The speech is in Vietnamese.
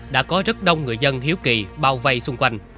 đã có rất đông người dân hiếu kỳ bao vây xung quanh